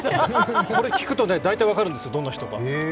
これ聞くとね、大体分かるんですよ、どんな人か。